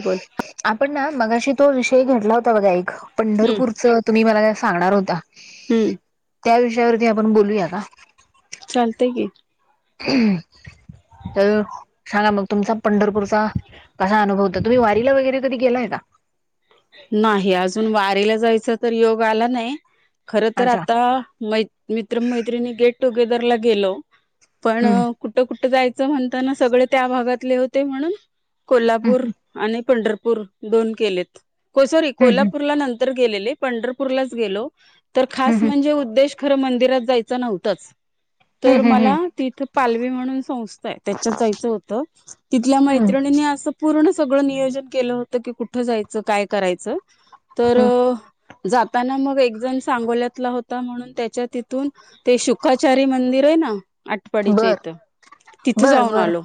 बोल आपण ना मगाशी तो विषय घेतला होता बघा एक हम्म पंढरपूरच तुम्ही मला सांगणार होता. हम्म त्या विषयावरती आपण बोलूया का? चालतय की, त सांगा मग तुमचा पंढरपूरचा कसा अनुभव त तुम्ही वारीला वगैरे कधी गेलाय का? नाही अजून वारीला जायच तर योग आला नाही खर तर अच्छा आता मै मित्र मैत्रिणी गेट टुगेदरला गेलो पण हम्म कुठं कुठं जायचं म्हणताना सगळे त्या भागातले होते म्हणून हम्म कोल्हापूर आणि पंढरपूर दोन केलेत को सॉरी हम्म कोल्हापूरला नं तर गेलेले पंढरपूरला गेलो तर खास हम्म म्हणजे उद्देश खरं मंदिरात जायच नव्हतच हम्म तर हम्म मला हम्म तिथ पालवी म्हणून संथा त्याच्या जायचं होत तिथल्या हम्म मैत्रिणीनी अस पूर्ण सगळं नियोजन केलं होतं की कुठं जायचं काय करायचं तर हम्म जाताना मग एक जण सांगोल्यातला होता म्हणून त्याच्या तिथून ते शुखाचारी मंदिर हाय ना आठवाडीच्या बर इथं तिथं बर जाऊन बर आलो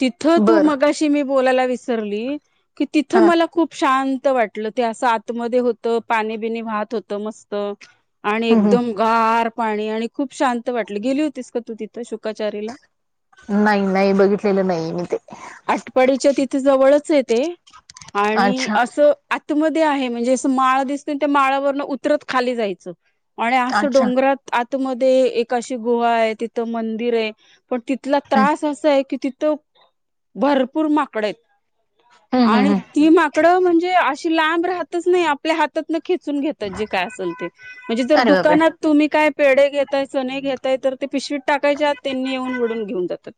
तिथ तू बर मगा शी बोलायला विसरली की तिथं हा मला खूप शांत वाटलं ते असं आतमध्ये होतं पाणी बिने वाहत होत मस्त आणि हम्म एकदम गार पाणी आणि खूप शांत वाटल गेली होतीस का तू तिथं शुकाचारीला नाही नाही बघितलेलं नाही मी ते. आटपाडीच्या तिथे जवळच आहे तेे आणि अच्छा तो आतमध्ये आहे म्हणजे असं माळं दिसतं त्या माळावरनं उतरत खाली जायचं आणि असं अच्छा डोंगरात आतमध्ये एक अशी गुहा आहे तिथं मंदिर आहे. पण तिथला हम्म त्रास असं आहे की तिथं भरपूर माकडे आहेत. हम्म हम्म आणि हम्म ती माकडं म्हणजे अशी लांब राहतच नाही आपल्या हातात न खेचून घेत त जे काय असल ते म्हणजे जर अरे बापरे दुकानात तुम्ही काय पेढ घेताय चने घेताय तर ते पिशवीत टाकायच्यात त्यांनी येऊन वूडून घेऊन जात. त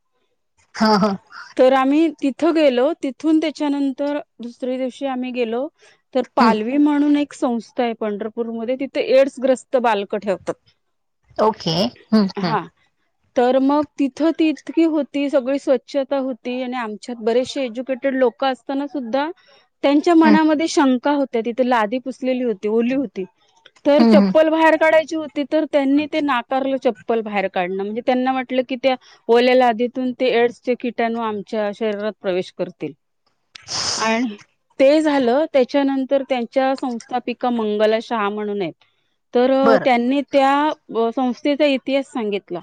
हा हा. तर आम्ही तिथं गेलो तिथून त्याच्यानंतर दुसर्या दिवशी आम्ही गेलो तर हम्म पालवी म्हणून एक संस्था आहे पंढरपूरमध्ये तिथे एड्स ग्रस्त बालकं ठेवतात. ओके हम्म हम्म. हा तर मग तिथं तितकी होती सगळी स्वच्छता होती आणि आमच्यात बरेचशे एज्युकेटेड लोक अस ताना सुद्धा त्यांच्या हम्म मनामध्ये शंका होत्या तिथे लादी पुसलेली होती ओली हो ती तर हम्म हम्म चप्पल बाहेर काढायची होती तर त्यांनी ते नाकारलं चप्पल बाहेर काढणं म्हणजे त्यांना म्हटलं की त्या ओल्याल्या लादीतून ते एड्सच्या किटाणू आमच्या शरीरात प्रवेश करतील. आणि ते झालं त्याच्यानंतर त्यांच्या संस्थापिका मंगला शाह म्हणून आहेत. तर बरं त्यांनी त्या व संस्थेचा इतिहास सांगितला.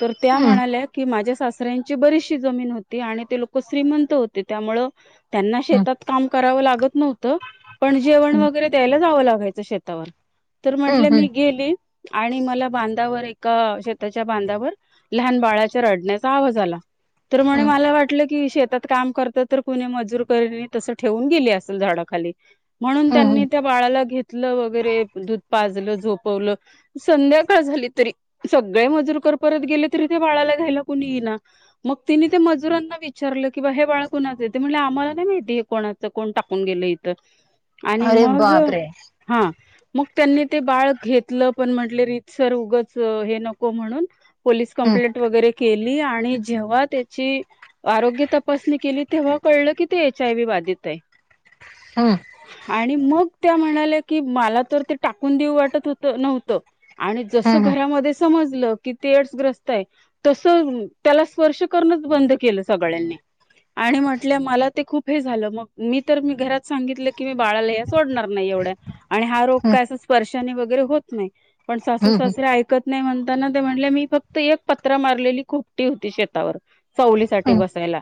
तर त्या हम्म म्हणाल्यात की माझ्या सासऱ्यांची बरीचशी जमीन होती आणि ते लोक श्रीमंत होते त्यामूळं त्यांना हम्म शेतात काम करावं लागत नव्हतं पण जेवण वगैरे द्यायला जावं लागायचं शेतावर तर हम्म म्हटलं हम्म मी गेली आणि मला बांधावर एक एका शेताच्या बांधावर लहान बाळाच्या रडण्याचा आवाज आला तर म्हणे हम्म मला वाटलं की शेतात काम करतं तर कुणी मजूर करने तसं ठेवून गेली असेल झाडाखाली म्हणून हम्म त्यांनी हम्म त्या बाळाला घेतलं वगैरे दूध पाजलं झोपवलं संध्याकाळ झाली तरी सगळे मजूर कर परत गेले तरी त्या बाळाला घ्यायला कुणी येईना मग तिने ते मजुरांना विचारलं की बा हे बाळा कुणाच आहे ते म्हणलं आम्हाला नाय माहिती कोणाचा कोण टाकून गेलं इथं आणि अरे मग बाप रे! हा मग त्यांनी ते बाळ घेतलं पण म्हटले रीतसर उगच हे नको म्हणून पोलीस हम्म कंप्लेंट वगैरे के ली आणि जेव्हा त्याची आरोग्य तपासणी केली तेव्हा कळलं की ते एच आय व्ही बाधित आहे हम्म. आणि मग त्या म्हणाल्या की मला तर ते टाकून देऊ वाटत होतं नव्हतं आणि जसं हम्म घरामध्ये समजलं की ते एड्स ग्रस्त आहे तस त्याला स्पर्श करणच बंद केलं सगळ्यांनी. आणि म्हटल्या मला- ते खूप हे झालं. मग मी तर मी घरात सांगितलं की मी बाळाला या सोडणार नाही एवढ्यात. आणि हा रोग हम्म काय असा स्पर्शाने वगैरे होत नाही. पण सासू हम्म हम्म सासरे ऐक - कत नाही म्हणताना, ते म्हटले मी फक्त एक पत्रा मारलेली खोपटी होती शेतावर- सावलीसाठी बसायला.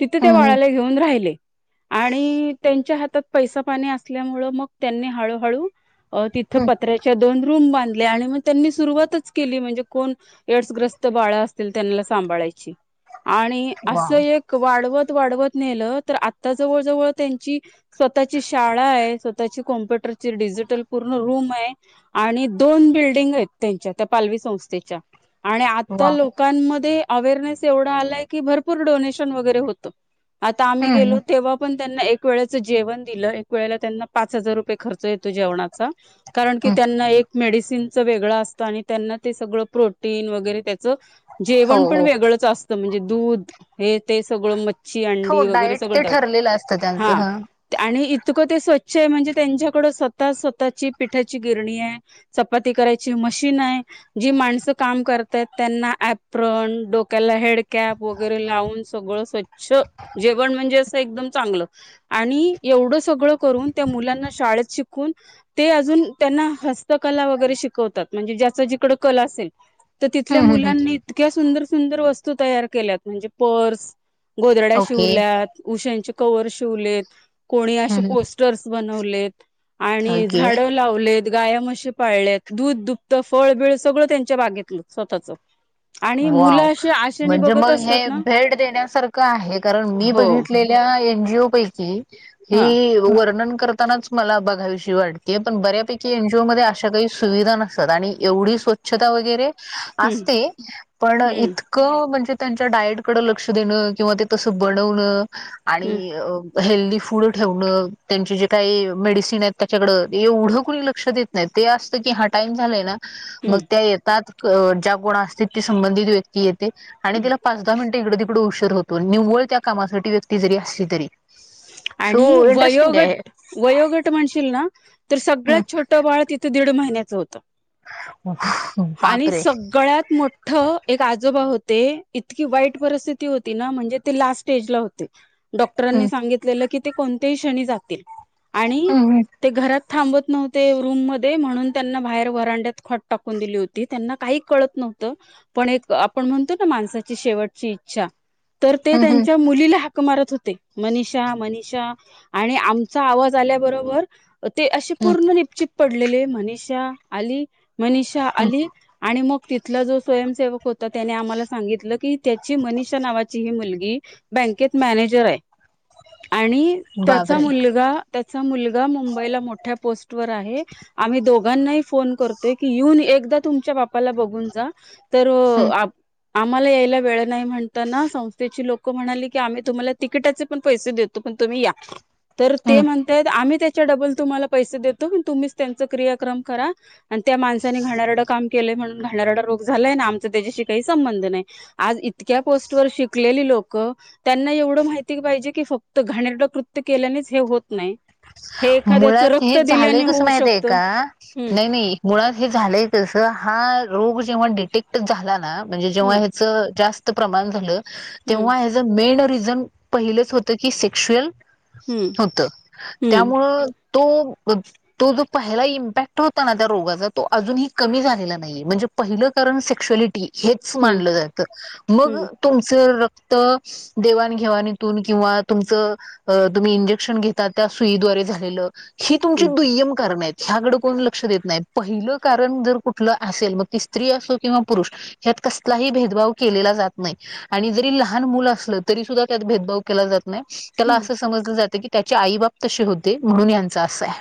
तिथे त्या हम्म हम्म बाळाला घेऊन राहिले. आणि त्यांच्या हातात पैसा पाणी असल्यामुळे मग त्यांनी हळू हळू- अ -तिथं हम्म. पत्र्याच्या दोन रूम बांधल्या आणि मग त्यांनी सुरुवातच केली म्हणजे कोण- एड्स ग्रस्त बाळ असतील त्यांना सांभाळायची. आणि वा असं एक वाढवत वाढवत नेलं तर आता जवळ जवळ त्यांची- स्वतःची शाळा आहे. स्वतःची कॉम्प्युटरची डिजिटल पूर्ण रूम आहे. आणि दोन बिल्डिंग आहेत त्यांच्या. त्या पालवी संस्थेच्या आणि वा आता लोक- -कांमधे अवेरनेस एवढा आलाय की भरपूर डोनेशन वगैरे होत. आता आम्ही- हम्म गेलो हम्म तेव्हा पण त्यांना एक वेळेच जेवण दिलं. एक वेळेला त्यांना पाच हजार रुपये खर्च येतो जेवणाचा. कारण की हम्म. त्यांना एक मेडिसिनच वेगळं असतं. आणि त्यांना ते सगळं प्रोटीन वगैरे त्याच- हो जेवण पण हो वेगळंच असतं. म्हणजे दूध हे ते सगळं मच्छी हो अंडी वगैरे- डायट ते सगळं. ठरलेलं असतं त्यांचं ह हा. हम्म आणि इतकं ते स्वच्छ आहे. म्हणजे त्यांच्याकडं स्वतः स्वतःची पिठाची गिरणी आहे. चपाती करायची मशीन आहे. जी माणसं काम करतायत त्यांना ऍपरन, डोक्याला हेडकॅप वगैरे लावून सगळं स्वच्छ - च्छ. -वण म्हणजे अस एकदम चांगलं. आणि एवढं सगळं करून त्या मुलांना शाळेत शिकून- ते अजून त्यांना हस्तकला वगैरे शिकवतात म्हणजे ज्याचा जिकड कल असेल- तर तिथल्या हम्म हम्म. मुलांनी इतक्या सुंदर सुंदर वस्तू तयार केल्यात म्हणजे पर्स- गोधड्या ओके शिवल्यात. उशांचे कव्हर शिवलेत. कोणी हम्म असे हम्म. पोस- स्टर बनवलेत. आणि ओके झाड - लावलेत. गाया म्हशी पाळल्यात दूध दुभत फळबिळ सगळं त्यांच्या बागेतलं स्वतःच. आणि वाव! मुलं अशी आशेने म्हणजे बघत मग असतात हे ना भेट देण्यासारखं- आहे. कारण मी हो बघितलेल्या एन जी ओ पैकी हे हा एक यो - वर्णन करतानाच मला बघाविशी वाटतीये. पण बऱ्यापैकी एन जी ओ मधे अशा काही - सुविधा नसतात. आणि एवढी स्वच्छता वगैरे हम्म असते पण हम्म इत- -क म्हणजे त्यांच्या डायट कडे लक्ष देणं किंवा ते तसं बनवण हम्म आणि- हेल्दी फूड ठेवणं. त्यांचे जे काही मेडिसिन आहेत त्याच्याकड, एवढं कुणी लक्ष देत- नाही. ते असतं की हा टाइम झालाय ना? मग त्या येतात. ज्या कोण असतात संबंधित व्यक्ती येते आणि हम्म त्याला- पाच दहा मिनिटं इकडं तिकडे उशीर होतो. निव्वळ त्या कामासाठी व्यक्ती जरी असली तरी. हो. आणि इंटरेस्टिंग आहे. वयोगट वयोगट म्हणशील ना? तर हे. सगळ्यात छोटं बाळ तिथे दीड महिन्याचं होतं. हो आणि सगळ्यात म- - ठ्ठ एक आजोबा होते इतकी वाईट परिस्थिती होती ना म्हणजे ते लास्ट स्टेज ला होते. डॉक्टरांनी सांगितलेलं की ते कोणत्याही क्षणी जातील आणि- ते घरात थांबत नव्हते रूम मध्ये, म्हणून त्यांना बाहेर व्हरांड्यात खाट टाक- - कून दिली होती. त्यांना काही कळत नव्हतं. पण एक, आपण म्हणतो ना माणसाची शेवटची इच्छा तर ते त्यांच्या मुलीला- हाक मारत होते मनीषा, मनीषा. आणि आमचा आवाज आल्याबरोबर- ती अशी पूर्ण निपचिप पडलेली मनीषा आली म्ह मनीषा आली आणि मग तिथला जो स्वयंसेवक होता त्याने आम्हाला सांगितलं की त्याची मनीषा नावाची ही मुलगी बँकेत मॅनेजर आहे. आणि त्याचा बापरे मुलगा त्याचा मुलगा मुंबईला मोठ्या पोस्टवर आहे. आम्ही दोघांनाही फोन करतोय की येऊन एकदा तुमच्या बापाला बघून जा तर आ आम्हाला यायला वेळ नाही म्हणताना संस्थेची लोकं म्हणाली की आम्ही तुम्हाला तिकिटाचे पण पैसे देतो. पण तुम्ही या तर ते म्हण आम्ही त्याच्या डबल तुम्हाला पैसे देतो तुम्हीच त्यांच क्रियाक्रम करा आणि त्या माण त्यांनी घाणेरडं काम केलंय म्हून घाणारडा रोग झालाय ना आमचा त्याच्याशी काही संबंध नाही. आज इतक्या पोस्ट वर शिकलेली लोकं त्यांना एवढं माहिती पाहिजे की फक्त घाणेरड कृत्य केल्यानेच हे होत नाही. हे एखाद्याचं मुळात रक्त हे झालंय दिल्याने कस होऊ माहित आहे शकतं का हम्म नाही नाही. मुळात हे झालंय कसं हा रोग जेव्हा डिटेक्ट झाला ना. म्हणजे जेव्हा हम्म ह्याच जास्त प्रमाण झालं हम्म तेव्हा ह्याच मेन रिझन पहिलच होत की सेक्शुल होत. हम्म त्यामुळं तो तो जो पहिला इम्पॅक्ट होता ना त्या रोगाचा तो अजूनही कमी झालेला नाही म्हणजे पहिलं कारण सेक्श्युअलिटी हेच हम्म मानलं जातं मग हम्म तुमचं रक्त देवाणघेवाणीतून किंवा तुमचं तुम्ही इंजेक्शन घेतता त्या सुईद्वारे झालेलं ही तुमची हम्म दुय्यम कारण आहेत ह्याकड कोण लक्ष देत नाही. पहिलं कारण जर कुठलं असेल मग ती स्त्री असो किंवा पुरुष ह्यात कसलाही भेदभाव केलेला जात नाही. आणि जरी लहान मुल असलं तरी सुद्धा त्यात भेदभाव केला जात नाही. त्याला हम्म असं समजलं जातं की त्याचे आई बाप तसे होते म्हणून यांच असं आहे.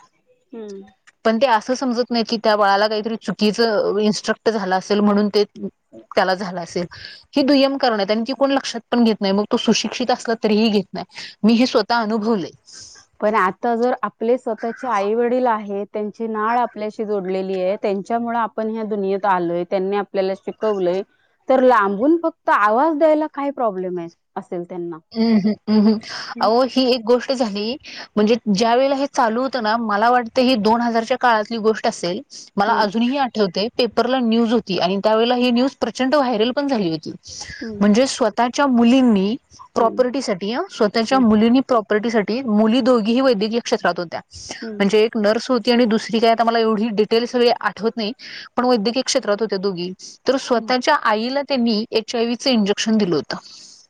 हम्म [unintelligible] पण ते असं समजत नाही की त्या बाळाला काहीतरी चुकीचं इन्स्ट्रक्ट झालं असेल म्हणून ते त्याला झालं असेल. ही दुय्यम करण आणि ती कोण लक्षात पण घेत नाही मग तो सुशिक्षित असला तरीही घेत नाही. मी हे स्वतः अनुभवलय. पण आता जर आपले स्वतःचे आई वडील आहेत त्यांची नाळ आपल्याशी जोडलेली आहे त्यांच्यामुळे पण ह्या दुनियात आलोय त्यांनी आपल्याला शिकवलंय. तर लांबून फक्त आवाज द्यायला काही प्रॉब्लेम आहे असेल त्यांना हम् हम्मम्म हम्म हम् अ ही एक गोष्ट झाली. म्हणजे ज्या वेळेला हे चालू होत ना मला वाटतं ही दोन हजारच्या काळातली गोष्ट असेल. मला हम्म अजूनही आठवते पेपरला न्यूज होती आणि त्यावेळेला ही न्यूज प्रचंड व्हायरल पण झाली होती. हम्म म्हणजे स्वतःच्या मुलींनी हम्म प्रॉपर्टीसाठी त्याच्या मुलीनी प्रॉपर्टी साठी मुली दोघीही वैद्यकीय क्षेत्रात होत्या हम्म म्हणजे नर्स होती आणि दुसरी काय आता मला एवढी डिटेल सगळी आठवत नाही. पण वैद्यकीय क्षेत्रात होत्या दोघी ही तर हम्म स्वतःच्या आईला त्यांनी एच आय व्ही इंजेक्शन दिलं होतं.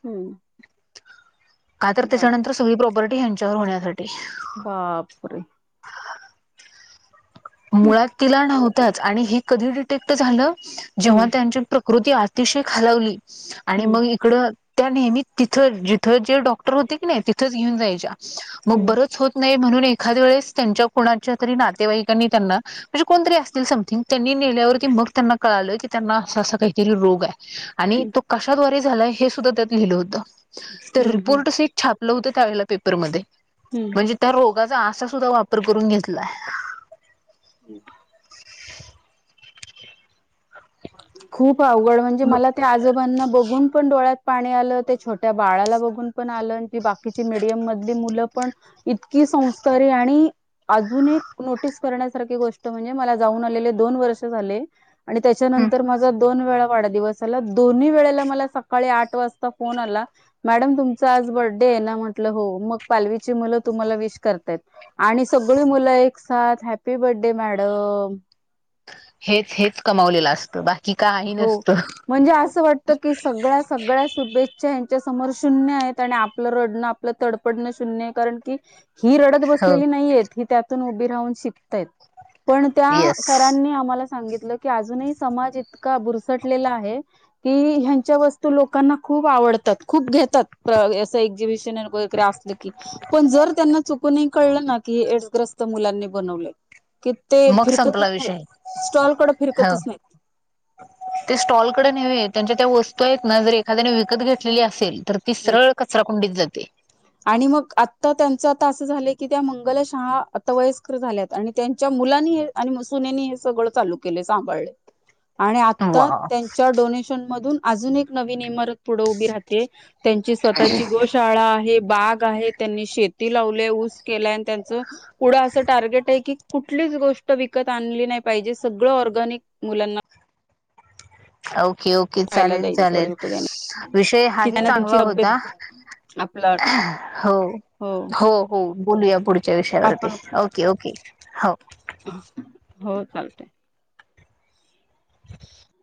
हम्म का तर बाप त्याच्यानंतर सगळी प्रॉपर्टी यांच्यावर होण्यासाठी [unintelligible] हम्म मुळात तिला नव्हताच आणि हे कधी डिटेक्ट झालं जेव्हा त्यांच्या प्रकृती अतिशय खालवली आणि हम्म मग तड त्या नेहमी तिथ जिथं जे डॉक्टर होते की नाही घेऊन जायच्या मग हम्म बरच होत नाही म्हणून एखाद वेळेस त्यांच्या कणाच्या तरी नातेवाई त्यांनी त्यांना म्हणजे कोणतरी असतील समथिंग त्यांनी नेल्यावरती मग त्यांना कळालं की त्यांना अस असा काहीतरी रोग आहे आणि हम्म तो कशद्वारे झालाय हे सुद्धा त्यात लिहिलं होत तर हम्म रिपोर्ट छापलं होत त्यावेळेला पेपरमध्ये हम्म हम्म म्हणजे त्या रोगाचा असा सुद्धा वापर करून घेतलाय हम् [inaudible] खूप अवघड म्हणजे मला त्या आजोबांना बघून पण डोळ्यात पाणी आलं ते छोट्या बाळाला बघून पण आलं ती बा मडियम मधली मुलं पण इतकी संस्कारी आणि अजून एक नोटीस करण्यासारखी गोष्ट म्हणजे मला जाऊन आलेले दोन वर्ष झाले आणि त्याच्यानंतर माझा दोन वेळा वाढदिवस आला दोन्ही वेळेला मला सकाळी आठ वाजता फोन आला मॅडम तुमचं आज बर्डे आहे ना म्हटलं हो मग पालवीची मुलं तुम्हाला विश करताय आणि सगळी मुलं एक साथ हॅपी बर्थडे मॅडम हेच हेच कमावलेलं असतं बाय हो म्हणजे असं वाटत की सगळ्या सगळ्या शुभेच्छा च्या समोर शून्य आहेत आणि आपलं रडणं आपलं तडपडणं शून्य आहे कारण की ही रडत हो नाही त्या उ रा श पण त्या येस सनी आ सांगितलं की अजूनही समाज इतका बुरसटलेला आहे की ह्यांच्या वस्तू लोकांना खूप आवडतात खूप घेतात अस एक्झिबिशन वगैरे अस पण जर त्यांना चुकूनही कळलं ना की हे एडसग्रस्त मुलांनी बनवले कि ते मग फिरकतच संपला नाही विषय स्टॉलकडे हो फिरकतच नाही ते स्टॉलकडे ने त्यांच्या त्या वस्तू आहेत ना जर एखाद्याने विकत घेतलेली असेल तर ती सरळ कचरा कुंडीत जाते आणि मग आत्ता त्यांचं आता असं झालंय की त्या मंगलशाहा अतवयस्कर झाल्यात आणि त्यांच्या मुलांनी आणि सुननी हे सगळं चालू केले सांभाळले [inaudible] आणि आता वा त्यांच्या डोनेशन मधून अजून एक नवीन इमारत पुढे उभी राहते त्यांची स्वतःची गोशाळा आहे. बाग आहे त्यांनी शेती लावलय ऊस केला आणि त्यांचं पुढं असं टार्गेट आहे की कुठलीच गोष्ट विकत आणली नाही पाहिजे सगळं ऑर्गॅनिक मुलांना ओके ओके खायला चालेल द्यायचं सगळं चालेल होतं त्याने विषय की हाही त्यांना चांगला त्यांची होता तब्येत आपला हो हो हो बोलूया पुढच्या विषयावरती आपण ओके ओके हो हो चालतंय. [inaudible]